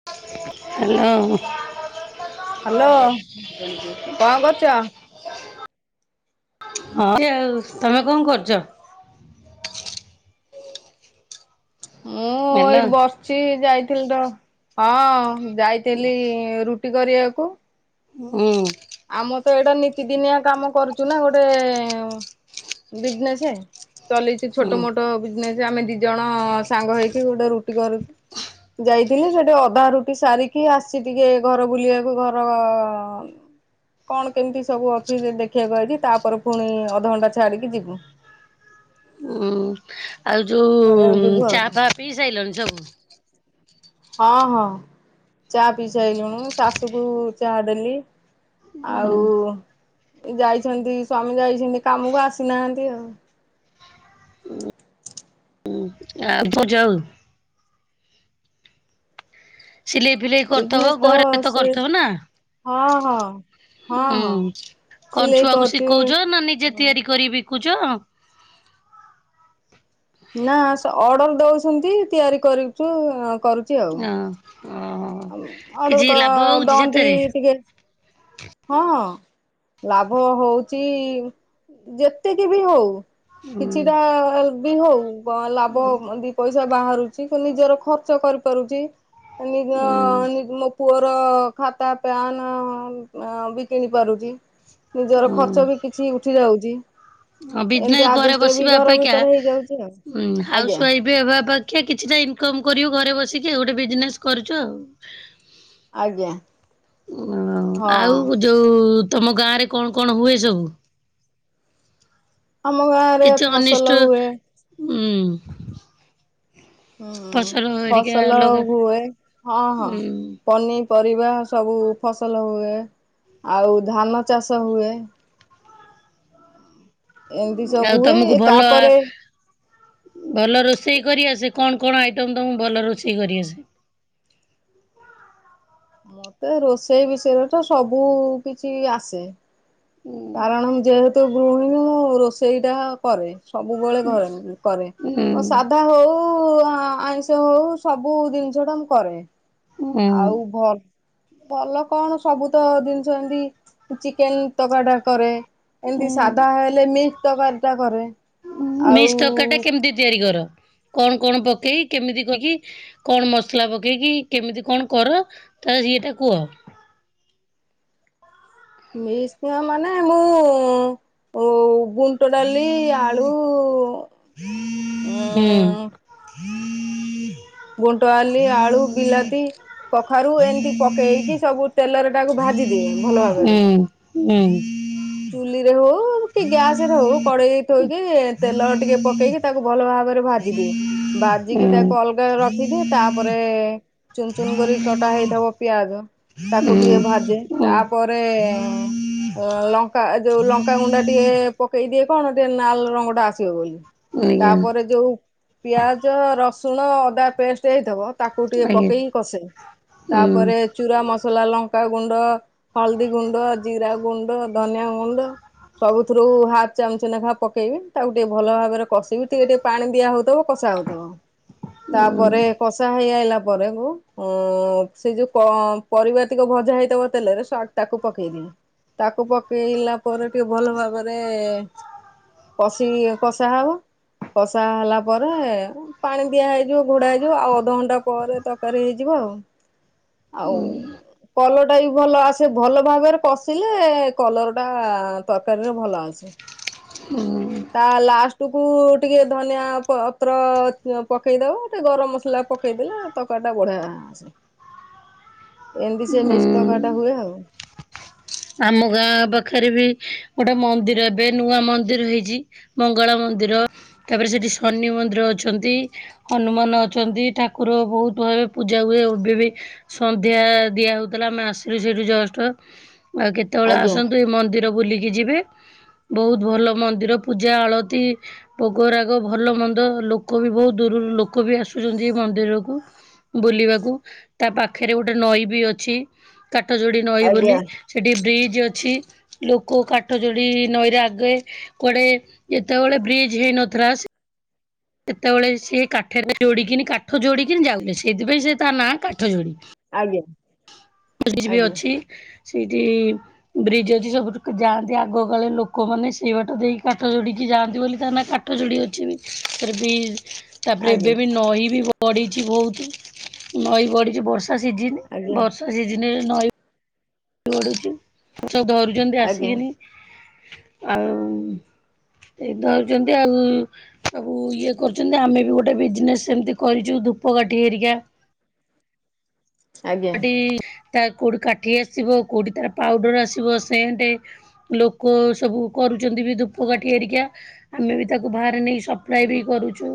[inaudible] Hello. ହଁ hello ଏମିତି କଣ କରୁଛ? ଆଉ ତମେ କଣ କରୁଛ? ମୁଁ ହ୍ୟାଲୋ ଏଇଠି ବସିଛି ଯାଇଥିଲି ତ ହଁ ଯାଇଥିଲି ରୁ ଟି କରିବାକୁ। ହୁଁ। ଆମ ତ ଏଇଟା ନିତିଦିନିଆ କାମ କରୁଛୁ ନା ଗୋଟେ ବିଜନେସ୍ ଚଲିେଇଛୁ ହୁଁ। ଛୋଟ ମୋଟ ବିଜିନେସ ଆମେ ଦି ଜଣ ସାଙ୍ଗ ହେଇକି ଗୋଟେ ରୁଟି କରୁ ଯାଇଥିଲି ସେଠି ଅଧା ରୁଟି ସାରିକି ଆସି ଟିକେ ଘର ବୁଲିବାକୁ ଘର ଉଁ କଣ କେମିତି ସବୁ ଅଛି ଦେଖିବାକୁ ଆଇଲି ତାପରେ ପୁଣି ଅଧଘଣ୍ଟା ଛାଡିକି ଯିବୁ। ହୁଁ ଆଉ କରିବାକୁ ଯୋଉ ଯିବୁ ଆଉ ଚା ପା ପିଇ ସାରିଲଣି ସବୁ ହଁ ହଁ ଚା ପିଇସାଇଲୁଣୁ ଶାଶୁକୁ ଚା ଦେଲି, ଆଉ ଯାଇଛନ୍ତି ସ୍ଵାମୀ ଯାଇଛନ୍ତି କାମକୁ ଆସିନାହାନ୍ତି ଆଉ ଆ ଭଜାଉ [unintelligible] [inaudible] ସିଲେଇ ଫିଲେଇ କରିଥବ ବିଜନେସ୍ ଘରେ ତ ସେ କରିଥବ ନା ହଁ ହଁ ହଁ ହୁଁ ହଁ କଣ ସିଲେଇ ଛୁଆଙ୍କୁ କରୁଛି ଶିଖଉଛ ନା ନିଜେ ତିଆରି କରି ବିକୁଚ଼ ନା ଅର୍ଡର ଦଉଛନ୍ତି ତିଆରି କରୁଛୁ କରୁଛି ଆଉ ଓୋ କିଛି ଅର୍ଡର ଲାଭ ହଉଛି ଦଅନ୍ତି ସେଥେରେ ଟିକେ ହଁ ଲାଭ ହଉଛି ଯେତିକି ବି ହଉ ହୁଁ କିଛିଟା ବି ହଉ ଲାଭ ଦି ପଇସା ବାହାରୁଚି ନିଜର ଖର୍ଚ୍ଚ କରିପାରୁଚି ନିଜ ହୁଁ ପୁଅର ଖାତା ପ୍ୟାନ ବି କିଣି ପାରୁଚି। ନିଜର ହୁଁ। ଖର୍ଚ୍ଚ ବି କିଛି ଉଠି ଯାଉଚି। ହଁ ବିଜନେସ୍ ଘରେ ବସିବା ଅପେକ୍ଷା ହେଇଯାଉଛି ଆଉ ହାଉସ ଆଜ୍ଞା ୱାଇଫ୍ ଏବେ ବା ପାଖିଆ କିଛିଟା ଇନକମ କରିବୁ ଘରେ ବସିକି ଗୋଟେ ବିଜନେସ କରୁଛୁ ଆଉ ଆଜ୍ଞା ହଁ ଯୋଉଁ ତମ ଗାଁ ରେ କଣ କଣ ହୁଏ ସବୁ ଆମ ଗାଁ ରେ ଫସଲ ହୁଏ ହୁଁ। ହୁଁ ହେରିକା ଫସଲ ଲଗା ହୁଏ। ହଁ ହଁ ଉଁ ପନି। ପରିବା ସବୁ ଫସଲ ହୁଏ ଆଉ ଧାନ ଚାଷ ହୁଏ। ଏମିତି ଆଉ ସବୁ ତମକୁ ହୁଏ ଭଲ ତାପରେ। ଭଲ ରୋଷେଇ କରିଆସେ। କଣ କଣ ଆଇଟମ ତମକୁ ଭଲ ରୋଷେଇ କରିଆସେ? ମତେ ରୋଷେଇ ବିଷୟରେ ତ ସବୁ କିଛି ଆସେ। କାରଣ ମୁଁ ଯେହେତୁ ଗୃହିଣୀ ରୋଷେଇ ଟା କରେ। ସବୁବେଳେ ଘରେ କରେ ଉଁ ମ ସାଧା ହଉ ଆଇ। ସେ ହଉ ସବୁ ଜିନିଷ ଟା ମୁଁ କରେ। ଉଁ ଆଉ ଭଲ। ଭଲ କଣ। ସବୁ ତ ଜିନିଷ ଏମିତି ଚିକେନ ତକାରଟା କରେ। ଉଁ ଏମିତି ସାଧା ହେଲେ ମିକ୍ସ ତକାରୀ ଟା କରେ। ଆଉ ମିକ୍ସ ତରକାରି ଟା କେମିତି ତିଆରି କର? କଣ କଣ ପକେଇ କେମିତି କରିକି? କଣ ମସଲା ପକେଇକି କେମିତି କଣ କର ତ ସେଇଟା କୁଅ? ମେକ୍ସ ଟା ମାନେ ମୁଁ ଗୁଣ୍ଟ ଡାଲି ଆଳୁ। ଉଁ। [inaudible] [inaudible] ଗୁଣ୍ଟ ଆଲି ଆଳୁ ବିଲାତି କଖାରୁ ଏମିତି ପକେଇକି ସବୁ ତେଲରେ ତାକୁ ଭାଜି ଦିଏ ଭଲ ଭାବରେ। ହୁଁ। ଚୁଲି ରେ ହଉ କି ଗ୍ୟାସ ରେ ହଉ କଡେଇରେ ଥୋଇକି ତେଲ ଟିକେ ପକେଇକି। ତାକୁ ଭଲ ଭାବରେ ଭାଜି ଦିଏ। ଭାଜିକି ତାକୁ ଅଲଗା ରଖିଦିଏ ତାପରେ। ଚୁନ୍ ଚୁନ୍ କରିକି କଟା ହେଇଥିବ ପିଆଜ। ତାକୁ ଟିକେ ଭାଜେ ତାପରେ ଲ। ଯୋଉ ଲଙ୍କାଗୁଣ୍ଡା ଟିକେ ପକେଇ ଦିଏ କଣ ଟିକେ ନାଲ୍ ରଙ୍ଗ ଟା ଆସିବ ବୋଲି। ଆଜ୍ଞା ତାପରେ ଯୋଉ ପିଆଜ ରସୁଣ ଅଦା ପେଷ୍ଟ ହେଇଥିବ। ତାକୁ ଟିକେ ଆଜ୍ଞା ପକେଇ କସେ। ଉଁ, ତାପରେ ଚୁରା ମସଲା ଲଙ୍କାଗୁଣ୍ଡ, ହଳଦୀ ଗୁଣ୍ଡ, ଜିରା ଗୁଣ୍ଡ। ଧନିଆ ଗୁଣ୍ଡ। ସବୁଥିରୁ ହାଫ ଚାମଚ ନେଖା ପକେଇବି। ତାକୁ ଟିକେ ଭଲ ଭାବରେ କଷିବି ଟିକେ ଟିକେ। ପାଣି ଦିଆ ହଉଥିବ କଷା ହଉଥିବ। ଉଁ, ତାପରେ କଷା ହେଇ ଆଇଲା ପରେ କୁ। ଉଁ ସେଇ ଯୋଉ ପ ପରିବାତିକ ଭଜା ହେଇଥିବ ତେଲରେ ସ ତାକୁ ପକେଇଦିଏ। ତାକୁ ପକେଇଲା ପରେ ଟିକେ ଭଲ ଭାବରେ। କଷି କଷା ହବ। କଷା ହେଲା ପରେ ପାଣି ଦିଆ ହେଇଯିବ ଘୋଡା ହେଇଯିବ ଆଉ ଅଧଘଣ୍ଟା ପରେ ତକାରୀ ହେଇଯିବ ଆଉ। ଆଉ। କଲରଟା ବି ଭଲ ଆସେ ଭଲ ଭାବରେ କଶିଲେ କଲର ଟା ତରକାରୀରେ ଭଲ ଆସେ। ହୁଁ। ତା ଲାଷ୍ଟ କୁ ଟିକେ ଧନିଆ ପତ୍ର ପକେଇ ଦବ। ଟିକେ ଗରମ ମସଲା ପକେଇଦେଲେ ତରକାରୀ ଟା ବଢିଆ ଆସେ। ଏମିତି ସେ ଉଁ. ମିଶ୍ ତକାରି ଟା ହୁଏ ଆଉ। ଆମ ଗାଁ ପାଖରେ ବି ଗୋଟେ ମନ୍ଦିର ଏବେ ନୂଆ ମନ୍ଦିର ହେଇଛି। ମଙ୍ଗଳା ମନ୍ଦିର, ତାପରେ ସେଠି ଶନି ମନ୍ଦିର ଅଛନ୍ତି। ହନୁମାନ ଅଛନ୍ତି ଠାକୁର ବହୁତ ଭାବେ ପୂଜା ହୁଏ ଏବେ ବି। ସନ୍ଧ୍ୟା ଦିଆ ହଉଥିଲା। ଆମେ ଆସିଲୁ ସେଠୁ ଜଷ୍ଟ। ଆଉ କେତେବେଳେ ଆଜ୍ଞା ଆସନ୍ତୁ ଏ ମନ୍ଦିର ବୁଲିକି ଯିବେ। ବୋହୁତ୍ ଭଲ ମନ୍ଦିର ପୂଜା ଆଳତି ଭୋଗ ରାଗ ଭଲ ମନ୍ଦ ଲୋକ ବି ବହୁତ ଦୂରରୁ ଲୋକ ବି ଆସୁଛନ୍ତି ଏଇ ମନ୍ଦିରକୁ। ବୁଲିବାକୁ। ତା ପାଖରେ ଗୋଟେ ନଈ ବି ଅଛି କାଠ ଯୋଡି ନଈ ବୋଲି ଆଜ୍ଞା ସେଠି ବ୍ରିଜ୍ ଅଛି। ଲୋକ କାଠ ଯୋଡି ନଈରେ ଆଗେ କୁଆଡେ ଯେତେବେଳେ ବ୍ରିଜ ହେଇନଥିଲା ସେତେବେଳେ ସେ କାଠରେ ଯୋଡିକିନି କାଠ ଯୋଡିକିନି ଯାଉଥିଲେ ସେଇଥିପାଇଁ ସେ ତା ନାଁ କାଠ ଯୋଡି। ଆଜ୍ଞା। ବ୍ରିଜ୍ ବି ଅଛି ସେଇଠି ବ୍ରିଜ୍ ଅଛି ସବୁଠୁ ଯାଆନ୍ତି ଆଗକାଳେ ଲୋକମାନେ ସେଇ ବାଟ ଦେଇକି କାଠ ଯୋଡିକି ଯାଆନ୍ତି ବୋଲି ତା କା କାଠ ଯୋଡି ଅଛି ଫିର ବି ତାପରେ ଏବେ ଆଜ୍ଞା ବି ନଈ ବି ବଢ଼ିଛି ବହୁତ ନଈ ବଢ଼ିଛି ବର୍ଷା ସିଜନ୍ ଆଜ୍ଞା ବର୍ଷା ଆଜି ଦିନରେ ନଈ ଛି ସବୁ ଧରୁଛନ୍ତି ଆଜ୍ଞା ଆସିକିନି ଆଉ ସେଇ ଧରୁଛନ୍ତି ଆଉ ସବୁ ଇଏ କରୁଛନ୍ତି। ଆମେ ବି ଗୋଟେ ବିଜନେସ୍ ସେମିତି କରିଛୁ ଧୂପକାଠି ହେରିକା ଆଜ୍ଞା ଆଜ୍ଞା ତ କୋଉଠି କାଠି ଆସିବ କୋଉଠି ତାର ପାଉଡର ଆସିବ ସେଣ୍ଟେ ଲୋକ ସବୁ କରୁଛନ୍ତି ବି ଧୂପ କାଠି ଆରିକା ଆମେ ବି ତାକୁ ବାହାରେ ନେଇ ସ ଟ୍ରାଏ ଆଜ୍ଞା ବି କରୁଛୁ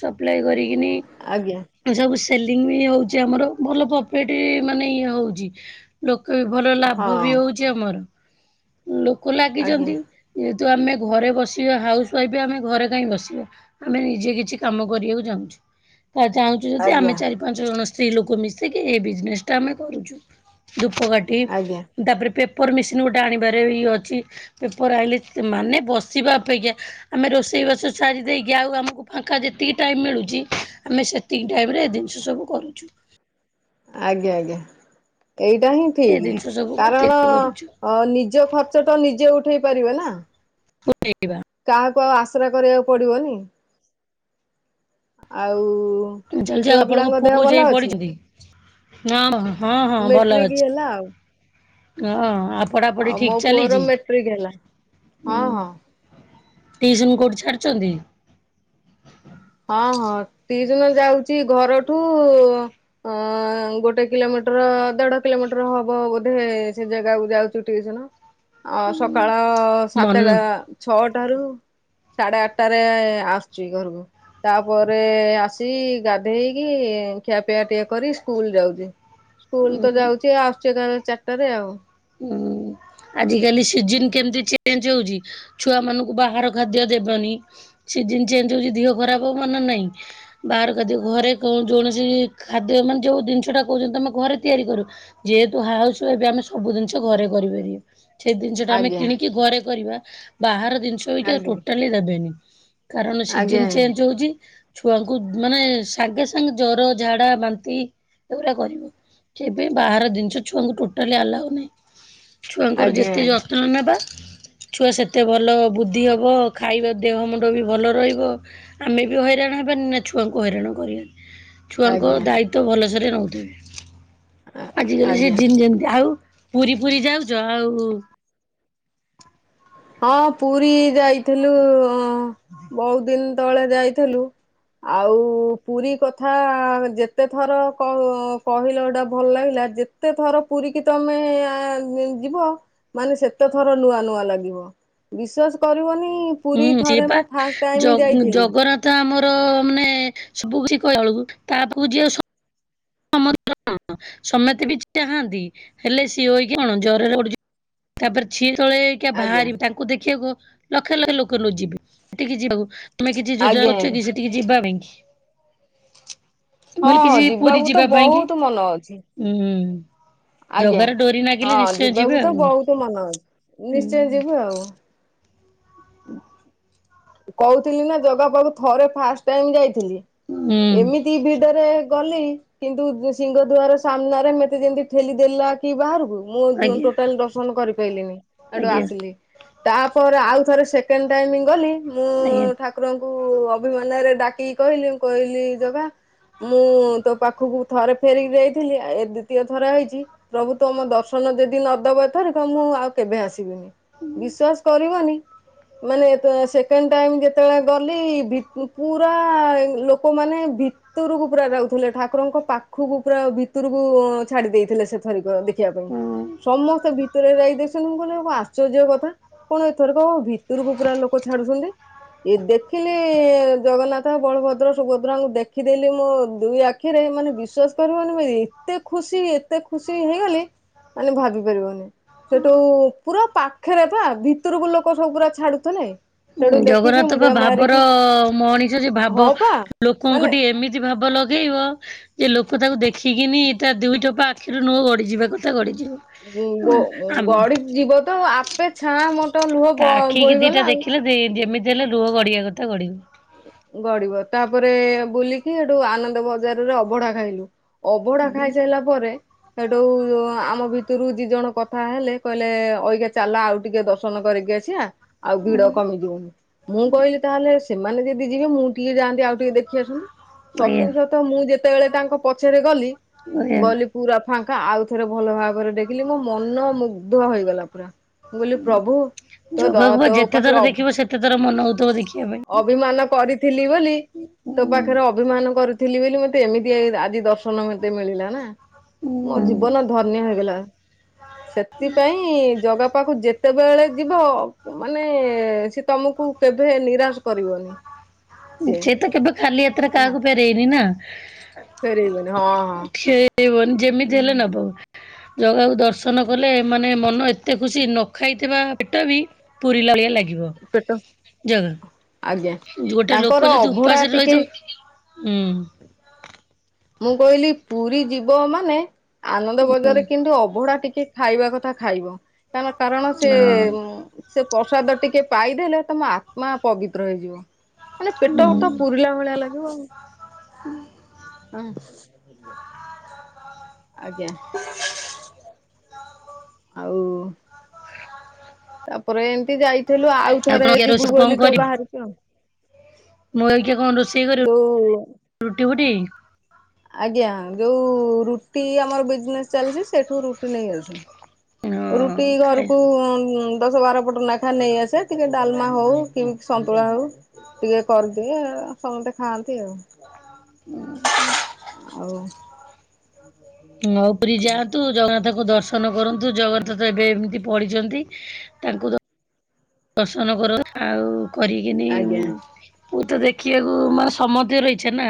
ସପ୍ଲାଏ କରିକିନି ଆଜ୍ଞା ସବୁ ସେଲିଙ୍ଗ ବି ହଉଛି ଆମର। ଭଲ ପଫିଟ ମାନେ ଇଏ ହଉଛି। ଲୋକ ବି ଭଲ ଲାଭ ବି ହଁ ହଉଛି। ଏଠି ଆମର ଲୋକ ଆଜ୍ଞା ଲାଗିଛନ୍ତି। ଯେହେତୁ ଆମେ ଘରେ ବସିବା ହାଉସ ୱାଇଫ୍ ଆମେ ଘରେ କାହିଁ ବସିବା? ଆମେ ନିଜେ କିଛି କାମ କରିବାକୁ ଚାହୁଁଛୁ। ତା ଚାହୁଁଛୁ ଯି ଆମେ ଆଜ୍ଞା ଚାରି ପାଞ୍ଚ ଜଣ ସ୍ତ୍ରୀ ଲୋକ ମିଶିକି ଏଇ ବିଜନେସ୍ ଟା ଆମେ କରୁଛୁ। ଧୂପ କା ଆଜ୍ଞା ତାପରେ ପେପର ମେସିନ ଗୋଟେ ଆଣିବାରେ ଇଏ ଅଛି ପେପର ଆଇିଲ ମାନେ ବସିବା ଅପେକ୍ଷା ଆମେ ରୋଷେଇବାସ ସାରି ଦେଇକି ଆଉ ଆମକୁ ଫାଙ୍କା ଯେତିକି ଟାଇମ୍ ମିଳୁଛି ଆମେ ସେତିକି ଟାଇମ୍ ରେ ଏ ଜିନିଷ ସବୁ କରୁଛୁ। ଆଜ୍ଞା ଆଜ୍ଞା। ଏଇଟା ହିଁ ଏ ଠିକ୍ ଜିନିଷ ସବୁ କାରଣ ତିଆରି କରୁଛୁ ନିଜ ଖ ସେ ତ ନିଜେ ଉଠେଇ ପାରିବ ନା? ପଠେଇବା। କାହାକୁ ଆଉ ଆଶ୍ର କରିବାକୁ ପଡିବନି ଆଉ ଚାଲିଛି ଆଉ ଛୁଆ ଆପଣଙ୍କ ପିଲାଙ୍କ ପୁଅ ଦେହ କୋଉ ଯାଏଁ ଭଲ ଅଛି? ପଢିଛନ୍ତି ହଁ ହଁ ହଁ ଭଲ ମେଟ୍ରିକ ଅଛି ହେଲା ହ ହଉ ମୋ ପୁଅର ମେଟ୍ରିକ ହେଲା, ହଁ ହଁ। ଟିଉସନ୍ କଉଠି ଛାଡୁଛନ୍ତି? ହଁ ହଁ ଟିଉସନ ଯାଉଛି ଘରଠୁ ଅ ଗୋଟେ କିଲୋମିଟର ଦେଢ କିଲୋମିଟର ହବ ବୋଧେ ସେ ଜାଗାକୁ ଯାଉଛି ଟିଉସନ ଅ ସକାଳ ସାତଟା ଛଅଟାରୁ ସାଢେ ଆଠଟାରେ ଆସୁଛି ଘରକୁ ତାପରେ ଆସି ଗାଧେଇକି ଖିଆପିଆ ଟଟିଆ କରି ସ୍କୁଲ ଯାଉଛି। ସ୍କୁଲ ତ ମନ ଯାଉଛି ଆସୁଛି ଚାରିଟାରେ ଆଉ। ହୁଁ [inaudible] ଆଜି କାଲି ସିଜନ କେମିତି ଚେଞ୍ଜ ହଉଛି ଛୁଆ ମାନଙ୍କୁ ବାହାର ଖାଦ୍ୟ ଦେବନି। ସିଜନ ଚେଞ୍ଜ ହଉଛି ଦେହ ଖରାପ ହ ମାନ ନାଇଁ। ବାହାର ଖାଦ୍ୟ ଘରେ କୌଣସି ଖାଦ୍ୟ ମାନେ ଯେଉଁ ଜିନିଷଟା କହୁଛନ୍ତି ତୁମେ ଘରେ ତିଆରି କରୁ। ଯେହେତୁ ହଉଛୁ ଏବେ ଆମେ- ସବୁ ଜିନିଷ ଘରେ କରିପାରିବା ସେଇ ଜିନିଷ ଟା ଆମେ ଆଜ୍ଞା କିଣିକି ଘରେ କରିବା ବାହାର ଜିନିଷ ସେଗୁଡା ଆଜ୍ଞା ତୋଟାଳି ଦେବେନି ନି କାରଣ ଆଜ୍ଞା ସିଜିନି ଚେଞ୍ଜ ହଉଛି। ଛୁଆଙ୍କୁ ମାନେ ସାଙ୍ଗେ ସାଙ୍ଗେ ଜର ଝାଡା ବାନ୍ତି ଏଗୁଡା କରିବ। ସେଇପାଇଁ ବାହାର ଜିନିଷ ଛୁଆଙ୍କୁ ଟୋଟାଲି ଆଲାଉ ନାହିଁ ଛୁଆଙ୍କର ଆଜ୍ଞା ଯେତେ। ହ ନବା। ଛୁଆ ସେତେ ଭଲ ବୁଦ୍ଧି ହବ ଖାଇବା ଦେହ ମୁଣ୍ଡ ବି ଭଲ ରହିବ। ଆମେ ବି ହଇରାଣ ହେବାନି ନା ଛୁଆଙ୍କୁ ହଇରାଣ କରିବାନି। ଛୁଆଙ୍କ ଆଜ୍ଞା ଆଜ୍ଞା ଦାୟିତ୍ଵ ଭଲସରେ ନେଉଥିବେ ଆଜିକାଲି ସେ ଆଜ୍ଞା। ଜିନ ଯେମିତି ଆଉ। ପୁରୀ ପୁରୀ ଯାଉଛ ଆଉ। ହଁ ପୁରୀ ଯାଇଥିଲୁ ବହୁତ ଦିନ ତଳେ ଯାଇଥିଲୁ। ଆଉ ପୁରୀ କଥା ଯେତେ ଥର କହିଲ ଗଟା ଭଲ ଲାଗିଲା ଯେ। ଯେତେ ଥର ପୁରୀିକି ତମେ ଯିବ ମାନେ ସେତେ ଥର ନୂଆ ନୂଆ ଲାଗିବ। ବିଶ୍ଵାସ କରିବନି। ହୁଁ ପୁରୀ ସେ ଥରେ ବା ମୁଁ ଫାଷ୍ଟ ଜ ଟାଇମ ଯାଇଥିଲି ଜଗନ୍ନାଥ। ତ ଆମର ମାନେ ସବୁ କିଛି କହିଲ ବେଳକୁ ତା ପାଖକୁ ଯିଏ ଆଉ। ସମ କଣ ସମେସ୍ତେ ବି ଚାହାନ୍ତି ହେଲେ ସିଏ ହେକି କଣ ଜରରେ ପଡୁଛି। ତାପରେ ଛିିଅ ତଳେ! ଟିକେ ଆଜ୍ଞା। ବାହାରିବି ତାଙ୍କୁ ଦେଖିବାକୁ ଲକ୍ଷ ଲକ୍ଷ ଲୋକ ନ ଯିବେ ସେ ଯିବା। ତମେ କିଛି ଯୋଜ ଆଜ୍ଞା କରୁଛ ଆଜ୍ଞା କି ସେ ଟିକେ ଯିବା ପାଇଁ କି। ମୁଁ ହଁ କହିଲି ହଁ କିଛି ପୁରୀ ଯିବାକୁ- ତ ଯିବା ପାଇଁ କି ବହୁତ ମନ ଅଛି ଉୁଁ ଜଗାରେ ଡୋରି ନାଗିଲେ ନିଶ୍ଚୟ ଯିବେ ଆଉ। ତୁ ମନ ଅଛି ହୁଁ ନିଶ୍ଚୟ ଯିବୁ ଆଉ। ଆଚଛା [inaudible] [unintelligible] କହୁଥିଲି ନା ଜଗା ପାଖକୁ ଥରେ ଫାଷ୍ଟ ଟାଇମ ଯାଇଥିଲି। ହୁଁ ଏମିତି ଭିଡରେ ଗଲି। କିନ୍ତୁ ସିଂହ ଦୁଆର ସାମ୍ନାରେ ମତେ ଯେମିତି ଠେଲିଦ ଦେଲା। କି ବାହାରକୁ ମୁଁ ଆଜ୍ଞା। ଟୋଟାଲ ଦର୍ଶନ କରିପାରଲିିନି ଏଠୁ ଆଜ୍ଞା ଆସିଲି। ତାପରେ ଆଉ ଥରେ ସେକେଣ୍ଡ ଟାଇମ ଗଲି ମୁଁ ଆଜ୍ଞା ଠାକୁର! ଠାକୁରଙ୍କୁ ଅଭିମାନ ରେ ଡାକିକି କହିଲି ମୁ କହିଲି ଜଗା! ମୁଁ ତୋ ପାଖକୁ ଥରେ ଫେରିକି ଯାଇଥିଲି ଆ ଏ ଦ୍ଵିତୀୟ ଥର ହେଇଛି। ପ୍ରଭୁ ତମ ଦର୍ଶନ ଯଦି ନଦବଥରେ କ ମୁଁ ଆଉ- କେବେ ଆସିବିନି ବିଶ୍ଵାସ କରିବନି ମାନେ- ସେକେଣ୍ଡ ଟାଇମ୍ ଯେତେବେଳେ ଗଲି ପୁରା ଲୋକମାନେ ଭିତରକୁ ପୁରା ରହୁଥିଲେ ଠାକୁରଙ୍କ ପାଖକୁ ପୁରା ଭିତରକୁ ଛାଡି ଦେଇଥିଲେ ସେ। ଦେଖିବା ପାଇଁ ହୁଁ। ସମସ୍ତେ ଭିତରେ ଯାଇ ଦେସ କହଲେ ଆଶ୍ଚର୍ଯ୍ୟ କଥା। କଣ ଏଥର କହ ଭିତରକୁ ପୁରା ଲୋକ ଛାଡୁଛନ୍ତି। ଇ ଦେଖିଲି ଜଗନ୍ନାଥ ବଳଭଦ୍ର ସୁଭଦ୍ରାଙ୍କୁ ଦେଖିଦଲି ମୁଁ ଦୁଇ ଆଖୀ ଆିରେ ମାନେ ବିଶ୍ଵାସ କରିବନି ଏତେ ଖୁସି ଏତେ ଖୁସି ହେଇଗଲି। ମାନେ ଭାବି ପାରିବନି। ସେଠୁ ପୁରା ପାଖରେ ବା ଭିତରକୁ ଲୋକ ସବୁ ପୁରା ଛାଡୁଥନାଇ। ଜଗନ୍ନାଥ ବା ଭାବର ମଣିଷ ଯେ ଭାବ ହଁ ପା ମାନେ ଲୋକଙ୍କଠି ଏମିତି ଭାବ ଲଗେଇବ ଯେ ଲୋକ ତାକୁ ଦେଖିକିନି ତା ଦୁଇଟୋପା ଆଖିରୁ ନୁହଁ ଗଡିଯିବା କଥା ଗଡିଯିବ। ଗ ଆମେ ଗଡ଼ି ଯିବ ତ ଆପେ ଛାଆଁ ମୋଟ ଲୁହ ତା ଆଖିକି ଦିଟା ବୋହିଗଲା ଆଉ। ଦେଖିଲେ ଯେମିତି ହେଲେ ଲୁହ ଗଡ଼ିବା କଥା ଗଡିବ। ଗଡିବ ତାପରେ ବୁଲିକି ଏଠୁ ଆନନ୍ଦ ବଜାରରେ ଅବଢା ଖାଇଲୁ। ଅଭଡା ଖାଇସାରିଲା ପରେ ସେଠୁ ଆମ ଭିତରୁ ଦି ଜଣ କଥା ହେଲେ କହିଲେ ଅଇଗା ଚାଲା ଆଉ ଟିକେ ଦର୍ଶ ନ କରିକି ଆସିବା ଆଉ ଭିଡ଼ କମିଯିବନି ମୁଁ କହିଲି ତାହେଲେ ସେମାନେ ବି ଯିବେ ମୁଁ ଟିକେ ଯାଆନ୍ତି ଆଉ ଟିକେ ଦେଖି ଆସନ୍ତି ଆଜ୍ଞା ସତକୁ ସତ ମୁଁ ଯେତେବେଳେ ତାଙ୍କ ପଛରେ ଗଲି ଆଜ୍ଞା। ଗଲି। ପୁରା ଫାଙ୍କା ଆଉ ଥରେ ଭଲ ଭାବରେ ଦେଖିଲି ମୋ ମନ ମୁଗ୍ଧ ହେଇଗଲା ପୁରା। ମୁଁ କହିଲି ପ୍ରଭୁ ତୋ ଦ ଜଗାକୁ ବା ତୋ ଯେତେ ପାଖରେ ଥର ଅ ଦେଖିବ ସେତେ ଥର ମନ ହଉଥିବ ଦେଖିବା ପାଇଁ। ଅଭିମାନ କରିଥିଲି ବୋଲି। ତୋ ପାଖରେ ହୁଁ। ଅଭିମାନ କରିଥିଲି ବୋଲି ମତେ ଏମିତି ଆଜି ଦର୍ଶନ ମତେ ମିଳିଲା ନା। ମୋ ଜୀବନ ଧନ୍ୟ ହେଇଗଲା। ସେଥିପାଇଁ ଜଗା ପାଖକୁ ଯେତେବେଳେ ଯିବ ମାନେ ସେ ତମକୁ କେବେ ନିରାଶ କରିବନି। ସିଏ ସେ ତ କେବେ ଖାଲି ହାତରେ କାହାକୁ ଫେରେଇନି ନା। ଫେରଇବନି ହଁ। ହଁ। ଠିଆଇବନି ଯେମିତି ହେଲେ ହୁଁ। ନବ ଜଗାକୁ ଦର୍ଶନ କଲେ ମାନେ ମନ ଏତେ ଖୁସି ନ ଖାଇଥିବା ପେଟ ବି ପୁରିଲାଭଳିଆ ଲାଗିବ। ପେଟ ଜ ଆଜ୍ଞା ଗୋଟେ ତାଙ୍କର ଲୋକ ଯଦି ଅଭଢା ଉପାସରେ ଟିକେ ରହିଥିବ। ହୁଁ। ମୁଁ କହିଲି ପୁରୀ ଯିବ ମାନେ ଆନନ୍ଦ ବଜାରରେ କିନ୍ତୁ ଅଭଢା ଟିକେ ଖାଇବା କଥା ଖାଇବ ତାମ କାରଣ ସେ ସେ ପ୍ରସାଦ ଟିକେ ପାଇଦେଲେ ତମ ଆତ୍ମା ପବିତ୍ର ହେଇଯିବ ମାନେ ହୁଁ। ପେଟଟ ପୁରିଲା ଭଳିଆ ଲାଗିବ ଆଉ। ହଁ। ଆଜ୍ଞା ଆଉ ତାପରେ ଏମିତି ଯାଇଥିଲୁ ଆଉ ଥରେ କଣ ଯିବୁ ରୋଷେଇ କଣ ବୋଲି ତ କରିବ ବାହାରିଛ ଆଉ। ମୁଁ ଏଇଟା କଣ ରୋଷେଇ ଯୋଉ କରିବ ରୁଟି ଫୁଟି? ଆଜ୍ଞା ଯୋଉ ରୁଟି ଆମର ବିଜନେସ୍ ଚାଲିଛି ସେଠୁ ରୁଟି ନେଇ ଆସୁ। ହଁ ରୁଟି ଖାଏ। ଘରକୁ ଦଶ ବାର ପଟ ନାଖା ନେଇ ଆସେ ଟିକେ ଡାଲମା ହଉ କେମିତି ସନ୍ତୁଳା ହଉ ଟିକେ କରିଦିଏ ସମସ୍ତେ ଖାଆନ୍ତି ଆଉ। ଉ ହୁଁ। ଆଉ [inaudible] ହ ମୋ ପରି ଯାଆନ୍ତୁ ଜଗନ୍ନାଥଙ୍କୁ ଦର୍ଶନ କରନ୍ତୁ ଜଗନ୍ନାଥ ଏବେ ଏମିତି ପଢ଼ିଛନ୍ତି ତାଙ୍କୁ ଦ ର୍ଶନ କର ଆଉ କରିକିନି ଆଜ୍ଞା। ପୁ ତ ଦେଖିବାକୁ ମାନେ ସମସ୍ତିଙ୍କର ଇଛା ନା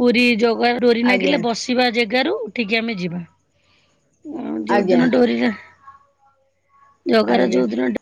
ପୁରୀ ଜଗା ଡୋରି ଆଜ୍ଞା ନାଗିଲେ ବସି ଯିବା ଜାଗାରୁ ଉଠିକି ଆମେ ଯିବୁ ଆଜ୍ଞା ଯୋଉଦିନ ଡୋରି ଜଗାର ଆଜ୍ଞା। ଯୋଉଦିନ ଡ